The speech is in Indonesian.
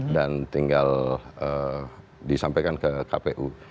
dan tinggal disampaikan ke kpu